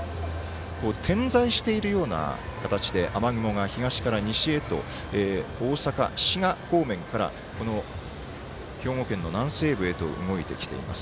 点在しているような形で雨雲が東から西へと大阪、滋賀方面から兵庫県南西部へと動いてきています。